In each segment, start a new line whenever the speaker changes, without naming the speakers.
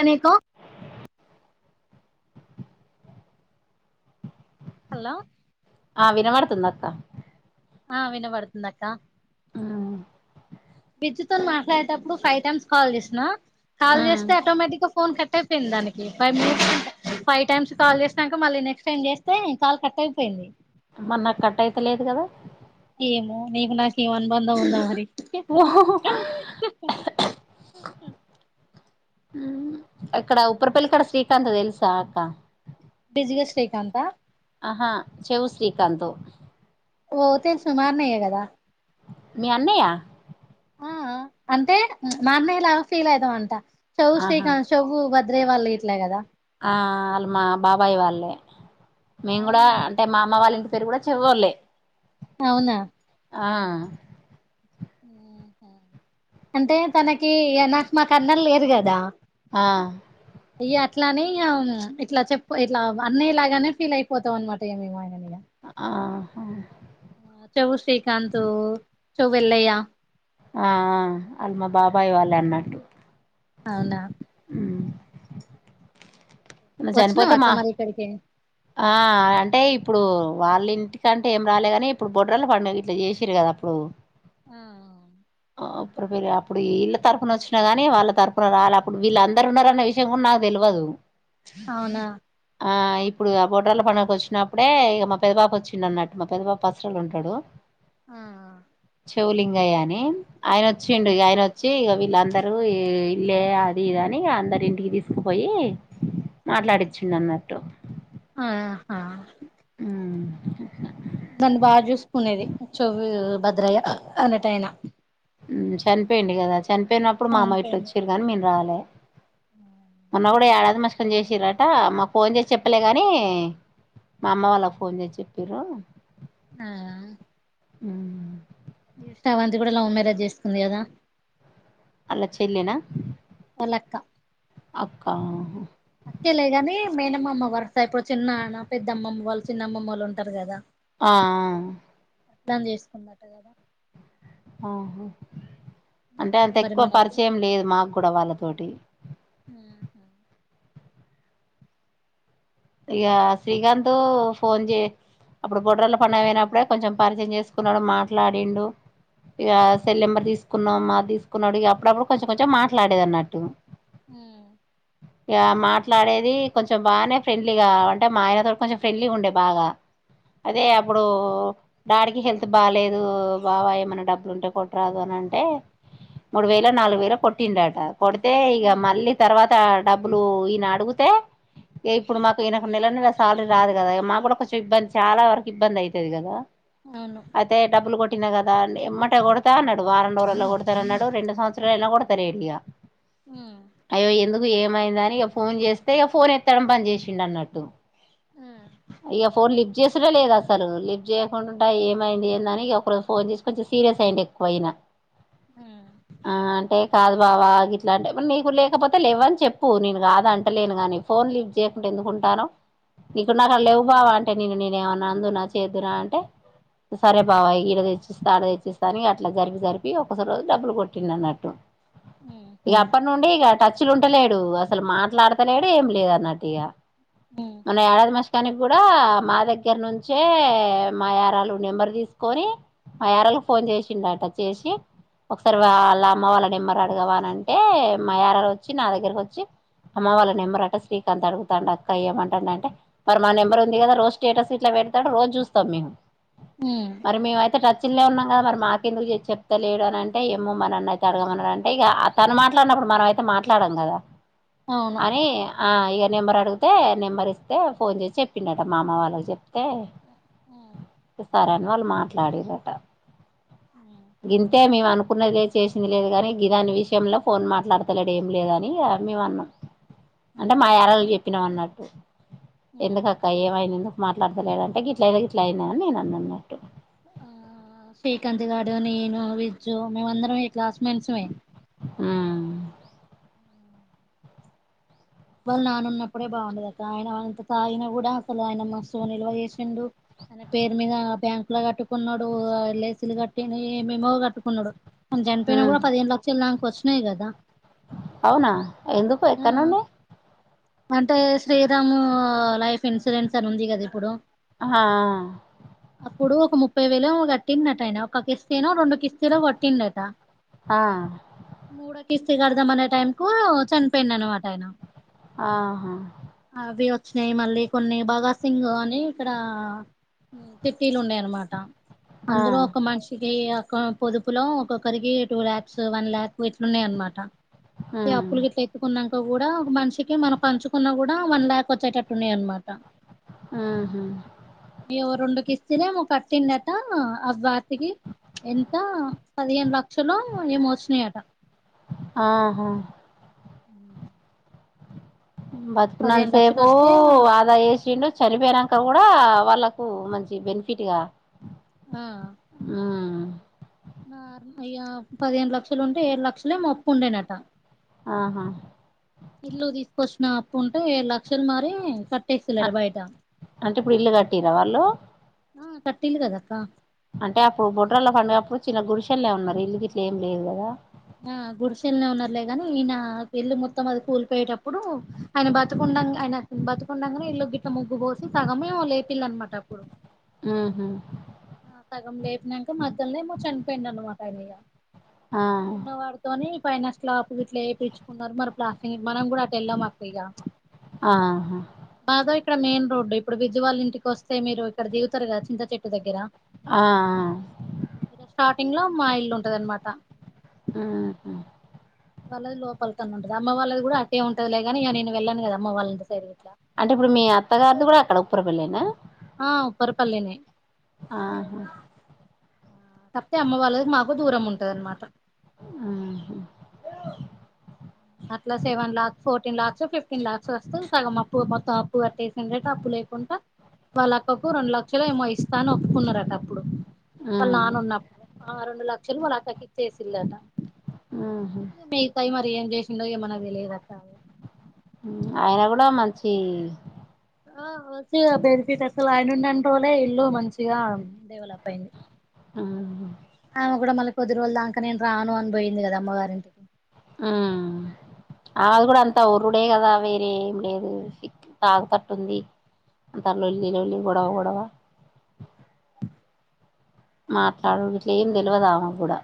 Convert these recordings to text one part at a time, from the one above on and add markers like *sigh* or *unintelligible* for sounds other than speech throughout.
అనేక హలో
ఆ వినపడుతుందా అక్క
ఆ వినబడుతుంది అక్క విజ్జుతోని మాట్లాడేటప్పుడు ఫైవ్ టైమ్స్ కాల్ చేసిన కాల్ చేస్తే ఆటోమేటిక్ గా ఫోన్ కట్ అయిపోయింది దానికి five minutes five times call చేసినంక నెక్స్ట్ టైం చేస్తే కాల్ కట్ అయిపోయింది.
మరి నాకు కట్ అయితలేదు కదా.
ఏమో నీకు నాకేం అనుబంధం ఉందో మరి
ఓహోహో ఉమ్ అక్కడ ఉప్పరపేల్లి కడ శ్రీకాంత్ తెలుసా అక్క
బిజిగా శ్రీకాంతా
అహా చెవు శ్రీకాంతు
ఓ తెలుసు మా అన్నయే కదా
మీ అన్నయా
ఆ అంటే మా అన్నయ్య లాగా ఫీల్ అయితా అంట చెవు
ఆహా
శ్రీకాంత్ చేవ్వు వ వదురయ్య వాళ్ళు గిట్ల గదా
ఆ మా బాబాయి వాళ్లే మేము కూడా
అవునా
అంటే మా అమ్మ వాళ్ల ఇం పేరు కూడా చెవ్వొల్లే
అవునా
ఆ
అంటే తనకి నాకు మాకు అన్నలు లేరు గదా
ఆ
ఇగ అట్లానీ ఇట్లా చెప్పు ఇట్లా అన్నయలాగానే ఫీల్ అయిపోతాం అన్నమాట ఇగ మేము ఆయనని ఇగ
ఆహా
చెవ్వు శ్రీకాంత్ చెవ్వు ఎల్లయ్య
అ ఆ వాళ్లు మా బాబాయ్ వాళ్లే అన్నట్టు
అవునా
మొన్న
వచ్చినావా
చనిపోతే
అక్క
మా
మరి ఇక్కడికి
ఆ అంటే ఇప్ ఇప్పుడు వాళ్ల ఇంటికంటే ఏం రాలే కాని ఇప్పుడు బొడ్రాల పండుగ గిట్లా చేసిర్రు గదా అప్పుడు
ఆ అవును
అప్పుడు మీరు అప్పుడు ఇళ్ల తరపున వచ్చిన కానీ వాళ్ల తరపున రాలే అప్పుడు వీళ్ళందరూ ఉన్నారన్న విషయం కూడా నాకు తెలువ్ వదు
అవునా
ఆ ఇప్పుడు ఆ బోడ్రాల పండుగకి వచ్చినప్పుడే ఇగ మా పెద్ద బాపు వచ్చిండి అన్నట్టు మా పెద్ద బాపు పసరల ఉంటడు.
ఆ ఆ
చెవ్వు లింగయ్య అని ఆయన వచ్చిండు ఇగ ఆయన వచ్చి ఇగ వి ఈళ్ళందరూ ఇల్లే అది ఇదని అందరి ఇంటికి తీసుకుపోయి మాట్లాడిచిండు అన్నట్టు
ఆహా
ఉమ్
నన్ను బాగా చూసుకునేది చెవ్వు భద్రయ్య అనటైనా
ఉమ్ చనిపోయిండు కదా చనిపోయినప్పుడు మా అమ్మ గిట్ల
చనిపోయిండు
వచ్చిర్రు గానీ మేం రాలే మొన్న గూడా ఏడాది మస్కల్ చేసిర్రట మాకు ఫోన్ చేసి చెప్పలే గినీ మా అమ్మ వాళ్లకు ఫోన్ చేసి చెప్పిరు
*unintelligible*
ఊ
ఈ స్రవంతి గూడా లవ్ మ్యారేజ్ చేసుకుంది కదా
చెల్లినా
వాళ్లక్క అక్కేలే గానీ మేనమామ వరుస ఇప్పుడు చిన్నాన్న పెద్దమ్మమ్మ వాళ్లు చిన్నమ్మోళ్ళు ఉంటారు కదా
ఆ ఆ
అర్థం చేసుకుందట కదా
అహూ అంటే అంత
అందరు మరి
ఎక్కువ
మనకు
పరిచయం లేదు మాకు కూడా వాళ్ల తోటి
ఉమ్
ఇగ శ్రీకాంత్ ఫోన్ చే అప్పుడు బొడ్రాళ్ళ పండుగ పోయినప్పుడే కొంచెం పరిచయం చేసుకున్నాడు మాట్లాడిండు ఇగ సెల్ నెంబర్ తీసుకున్నాం మాది తీసుకున్నాడు ఇగ అప్పుడప్పుడు కొంచెం కొంచెం మాట్లాడేది అన్నట్టు
ఊ
ఇగ మాట్లాడేది కొంచెం బానే ఫ్రెండ్లీగా అంటే మా ఆయనతోని కొంచెం ఫ్రెండ్లీ ఉండే బాగా అదే
అవును
అప్పుడు డాడికి హెల్త్ బాలేదు బావ ఏమైన్నా డబ్బులుటే కొట్టరాదు అని అంటే మూడు వేలో నాలుగు వేలో కొట్టిండట కొడితే ఇగ
ఉమ్
మళ్లీ తర్వాత డబ్బులు ఈయన అడుగుతే కే ఇప్పుడు మాకు ఈయనకు నెల నెల శాలరీ రాదు కదా ఇగ మాకు కూడా కొంచెం ఇబ్బంది చాలా వరకు ఇబ్బంది అయితది కదా
అవును
ఐతే డబ్బులు గొ ట్టినా కదా అంటే ఎమ్మటే కొడతా అన్నాడు వారం రోజులలో కొడతానన్నాడు రెండు సంవత్సరాలు అయినా కొడతలేడు ఇగ
ఊ
కూ ఏమైందని ఇగ ఫోన్ చేస్తే ఇగ ఫోన్ ఎత్తడం బంద్ జేసిండన్నట్టు
ఉమ్
ఇగ ఫోన్ లిబ్ చేస్తుడే లేదు అసలు లిఫ్ట్ చేయకుండా ఉంటే ఏమైంది ఏందని ఇగ ఒకరోజు ఫోన్ చేసి కొంచెం సీరియస్ అయిండు ఎక్కువ ఇనా
ఉమ్
ఆ అంటే కాదు బావ గిట్లాంటే మరి నీకు లేకపోతే లేవ్వని చెప్పు నేన్ కాదు అంటలేను గానీ ఫోన్ లిఫ్ట్ చేయకుండా ఎందుకుంటాను ఇప్పుడ్ నా కాడ లేవు బావా అంటే నీను నేను ఏమన్నా అందున చేద్దురా అంటే సరే బావ ఈడ తెచ్చిస్త ఆడ తెచ్చిస్తా అని అట్లా జరిపి జరిపి ఒకస రోజు డబ్బులు కొట్టిండన్నట్టు
ఉమ్
ఇగ
ఉమ్
అప్పడ్నుండి ఇగ టచ్ ల ఉంటలేడు అసలు మాట్లాడతలేడ్ ఏం లేద్ అన్నట్టిగ
ఉమ్ ఉమ్
మొన్న ఏడాది మాష్కానిక్ కూడా మా దగ్గర్నుంచే మా యరాలు నెంబర్ తీసుకొని మా యరాలకు ఫోన్ చేసిండట చేసి ఒకసారి వాళ్ళ అమ్మ వాళ్ళ నెంబర్ అడగవానంటే మాయారాలోచ్చి నా దగ్గరకోచ్చి అమ్మ వాల్వి నెంబర్ అట శ్రీకాంత్ అడుగుతండక్క ఏమంటండంటే మరి మా నంబర్ ఉంది కదా రోజ్ స్టేటస్ ఇట్ల పెడుతడు రోజ్ చూస్తాం మేమ్
ఉమ్
మరి మేము అయితే టచ్ ల్నే ఉన్నాం ఆ మరి మాకెందుకు చేసి చెప్తాలేడు అనంటే ఏమ్మో మరన్న అయితే అడగమన్నడంటే ఇగ ఆ తను మాట్లాడనప్పుడు మనమయితే మాట్లాడం గదా
అవును
అని ఆ ఇగ నెంబర్ అడిగుతే నెంబర్ ఇస్తే ఫోన్ చేసి చెప్పిండాటా మా అమ్మ వాళక్ చెప్ తే
ఉమ్
ఇగ సరే అని వాళ్ మాట్లాడిర్రాట
ఉమ్
గింతే మేవనుక్ అనుకున్నద్ లేద్ చేసింది లేద్ గాని గీదాని విషయంలా ఫోన్ మాట్లాడతలేడు ఏం లేదని మేమ్ అన్నాం అంటే మా
ఉమ్
యరాలు చెప్పినం అన్నట్టు
ఉమ్
ఎందుకక్క ఏమైంది ఎందుక్ మాట్లాడతలేడంటే గిట్ల అయేదే ఇట్లా అయిందన్ నేన్ అన్న అన్నట్టు
ఆ శ్రీకాంత్ గాడు నేను విజ్జు మేమ్ అందరం క్లాస్మేంట్స్మే
ఆ
వాళ్ నానమ్మక్ అప్పుడే బాగుండేదక్క ఆయన ఇంత తాగిన కూడా అసలు ఆయన మస్తు నిల్వ చేసిండు ఆయన పేరు మీద బ్యాంక్ ల కట్టుకున్నాడు ఎల్ఐసి లు కట్టిండు ఎమేమో కట్టుకున్నాడు అన్ చనిపోయినా
ఉమ్
కూడా పదిహేను లక్షల దాంక వచ్చినాయి కదా
అవునా ఎందుకు
ఆ
ఎక్కన్నుండి
అంటే శ్రీరాము లైఫ్ ఇన్సూరెన్స్ అని ఉంది గదా ఇప్పుడు
ఆహ్ ఆ
అప్పుడు ఒక ముప్పై వేలో ఏమో కట్టిండట ఆయన ఒక కిస్తినో రెండు కిస్ కిస్తీనా కట్టిందట
ఆ
మూడక్ కిస్తి కడుదాం అనే టైం కు చనిపోయిండన్నమాట ఆయన
ఆహా
స్నేహి మల్లి కొన్ని బాగాసింగ్ అని ఇక్కడ తిట్టీలు ఉండాయ్ అన్నమాట
ఆ
అందరు ఒక మనిషికేయో ఒ పొదుపులో ఒక్కొక్కరికి టూ ల్యాక్స్ వన్ లాక్ ఇట్లున్నాయన్నమాట ఇగ
ఉమ్
అప్పులు గిట్లా ఎత్తుకున్నాంక కూడా ఒక మనిష్ కికి మనం పంచుకున్న కూడా వన్ ల్యాక్ వచ్చేటట్టున్నాయి అన్నమాట
ఆహా
కిస్తినేమో కట్టిండట అవ్వన్ కి ఎంత పదిహేను లక్షలో ఏమో వచ్చినాయట
ఆహా
ఉ లక్షలు
బతుకున్నాంతసేపు
వస్తే
ఆదా జేసిండు చనిపోనంక కూడా వాళ్ళకు మంచి బెన్ఫిట్గా ఉ
అయ పదిహేను లక్షలు ఉంటే ఏడు లక్షలేమో అప్పు ఉండేనట
ఆహా
ఇల్లు తీసుకొచ్చిన అప్పు ఉంటే లక్షలు మారి క
అంటే ఇప్పుడు ఇల్లు కట్టిరా వాళ్ళు
ఆ కట్టిలు కదక్క
అంటే అప్పుడు బొడ్రలో పండుగ అప్పుడు చిన్న గుడిషెల్నే ఉన్నారు ఇల్లుకి ఇట్ల ఏం లేదు కదా
ఆ గుడిసెలునే ఉన్నారులేగాని ఈయన పెళ్ళి మొత్తం అది కూలిపోయేటప్పుడు ఆయన బ్రతుకుని ఆయన బతుకుండాంగానే ఇల్లు గిట్ట ముగ్గు పోసి సగమే లేపిల్ అనమాట అప్పుడు
ఆహ
ఆ సగం లేపినాక మధ్యలోనేమో చనిపోయిడు అనమాట ఆయన ఇక
ఆ
ఉన్నవాడితోని ఫైన స్లాపు ఇట్ల వేపిచ్చిన్లు న్నారు మరి ప్లాస్ మనం కూడా అటు వెళ్దాం అక్క
ఆహా
మాద ఇక్కడ మెయిన్ రోడ్ ఇప్పుడు విజవాల్ ఇంటికి వస్తే మీరు ఇక్కడ దీగుతారు కద చింత చెట్టు దగ్గర
ఆ
స్టార్టింగ్ లో మా ఇల్లు ఉంటద అనమాట
హ
వాళ్ళది లోపలత ఉంటది అమ్మ వాళ్ళది కూడా అే ఉంటది లే గానీ నేను వెళ్ాను కదా అమ్మ వాళ్ళని సైడ్ ఇట్లా
అంటే ఇప్పుడు మీ అత్తగారిది కూడా అక్కడ ఉప్పుర పెళ్ళనా
ఆ ఉప్పరపల్లినే
ఆహా
తప్పితే అమ్మ వాళ్ళకి మాకు దూరం ఉంటది అన్నమాట
ఆహా
అట్లా seven lakhs fourteen lakhs fifteen lakhs వస్తే సగం అప్పు మొత్తం అప్పు కట్టేసిండటటు అప్పు లేకుండా వాళ్ళ అక్కకు రెండు లక్షలు ఏమో ఇస్తా అని ఒప్పుకున్నారట అప్పుడు వాళ్ళు
మ్మ్
నాన్న ఉన్నప్పుడు ఆ రెండు లక్షలు వాళ్ళు అక్కకిచ్చసిళ్ళట
మ్మ్ఉహ్మ్
మిగతాయి మరి ఏం చేసిండో ఏమో నాకు తెలియదు అక్క
ఆయన కూడా మంచి
ఆ మంచిగా బెనిఫిట్ అసలు ఆయనున్న అన్ని రోజులు ఇల్లు మంచిగా డెవలప్ అయింది
ఆ
ఆమె కూడా మళ్ళీ కొద్ది రోజులు దాంక నేను రాను అని బోయింది కదా అమ్మ గారింటికి
ఆ ఆమెది కూడా అంతా ఒర్రుడే కదా వేరే ఏమి లేదు తాగ కట్టు ఉంది అంతలోల్లిలొల్లి గొడవ గొడవ మాట్లాడుడు ఇ ట్ల ఏం తెలవదు ఆమెకు కూడా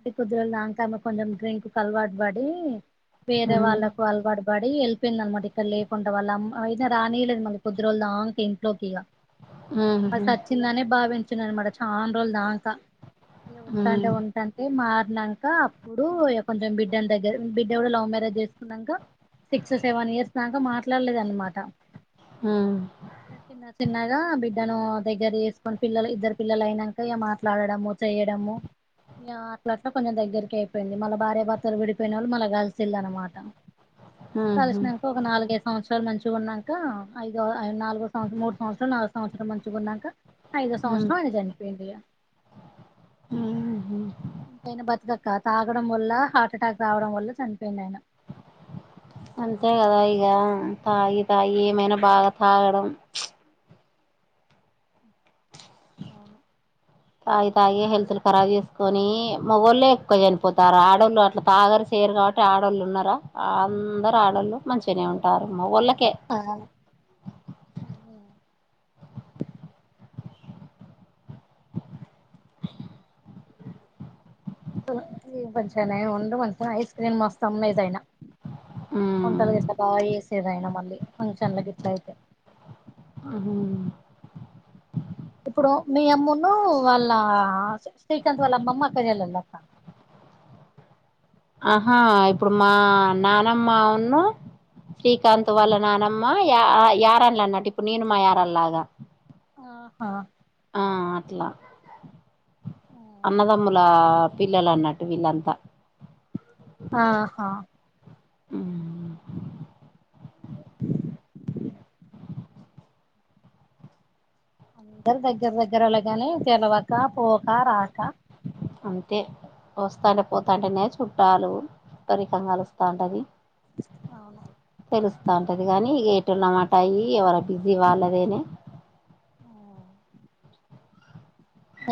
అది కొద్ది రోజుల దాంక ఆమె కొంచెం డ్రింక్ కలవాటు బడి వేరే
ఉమ్
వాళ్ళలకు అలవాటు పడి వెళ్ పోయింద అనమాట ఇక్కడ లేకుండా వాళ్ళ అమ్మ అయినా రానియలేదు మళ్ళీ కొద్ది రోజుల దాకా ఇంట్లోకి ఇగ ఆది
ఉహు
చచ్చిందనే భావించునారు అనమాట చాలా రోజులు దాకా నే ఉంటా
ఉమ్
ఉంటా అన్టంటే మార్ నాన్క అప్పుడు కొంచెం బిడ్డ దగ్గర బిడ్డ కూడా లవ్ మ్యారేజ్ చేసుకున్నాక సిక్స్ సెవెన్ ఇయర్స్ దాక మాట్లాడలేద అన్నమాట
ఉమ్
చిన్న చిన్న కా బిడ్డను దగ్గర వేసుకొని పిల్లలు ఇద్దరు పిల్లలు అయినాక మాట్లాడము చేయడము ఈ అట్లా కొంచం దగ్గకి అయిపోయి మళ్ళీ భార్యభర్తలు విడిపోయిన వాళ్ళు మళ కలిసిళ్ళు అనమాట
ఉహు
కలిసినాక ఒక నాలుగైదు సంవత్సరాలు మంచి మంచిగా ఉన్నాక ఐదోఐ నాలుగో సంవత్రం మూడు సంవత్సరం నాలుగు సంవత్సరాలు మంచిగా ఉన్నాక ఐదొ
ఉమ్
సంవత్సరం ఆయన చనిపోయిండి గ
ఉహు
ఎంతైనా బతుకక తాగడం వల్ల హార్ట్ అటాక్ రావడం వల్ల చనిపోయిండు ఆయన
అంతే కదా ఇక తాగి తాగి ఏమైనా బాగా తాగడం
అవున
తాగి తాగి హెల్త్ ఖరా చేసుకొని మగ వాళ్ళ ఎక్కువ చనిపోతారు ఆడళ్ళు అట్లా తాగ చేరుగా అటు ఆడోళ్ళున్నరా ఆందరు ఆడోళ్ళు మంచిగనే ఉంటరు మొగోళ్ళకే
అవునా మంచిగానె వుండు ఐస్ క్రీమ్ మస్త్ అమ్మేదయినా
ఉమ్
వంటల్ గట్లా బా చేసేదైనా మళ్ళీ ఫంక్షన్లకి ఇట్లయితే
ఊమ్
ఇప్పుడు మీ అమ్మును వాళ్ళ శ్రీకాంత్ వాళ్ళ అమ్మమ్మ అక్కజెళ్ళళ అట *inaudible*
ఆహా ఇప్పుడు మా నానమ్మ ఉన్ను శ్రీకాంత్ వాళ్ళ నానమ్మా యా యారన్లన్నట్ ఇప్పుడు నీను మా యారలాగా
ఆహా
ఆ అట్లా అన్నదమ్ములా పిల్లలు అన్నట్టు వీళ్ళంతా
ఆహా
హ్మ్.
*unintelligible* అందరు దగ్గర దగ్గర ఓలేగాని తెలవక పోక రాక
అంతే వస్తాంటే పోతాంటేనే చుట్టాలు చుట్టరికం గలుస్తాంటది
అవును
తెలుస్తాంటది గానీ ఇగే టున్నమాట అయి ఎవర బిజీ వాళ్ళదేనే
ఓ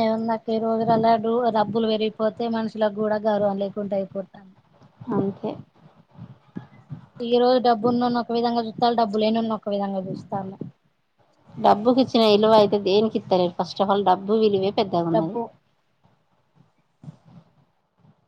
ఏముందక్క ఈ రోజులల డు డబ్బులు వెరిగిపోతే మనుషులకు గూడా గర్వం లేకుండా అయిపోతాంది
అంతే
ఇల రోజు డబ్బునోని ఒక విధంగా జూతలు డబ్బు లేనోని ఒక విధంగా చూస్తాళ్ళు
డబ్బుకిచ్చిన ఇలువ ఐతే దేన్ కిత్తలేరు ఫస్ట్ ఆఫ్ ఆల్ డబ్బు విలువే పెద్దా గున్నది
డబ్బు